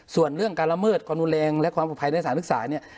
ส่วนเรื่องการละเมิดความดูแลงและความปลอดภัยในสารศึกษา